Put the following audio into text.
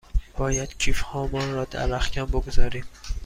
باید کیف هامان را در رختکن بگذاریم.